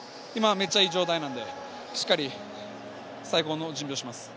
めっちゃいい状態なので、最高の準備をします。